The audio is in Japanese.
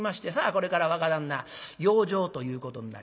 これから若旦那養生ということになります。